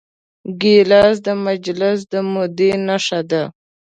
ګیلاس د مجلس د مودې نښه ده.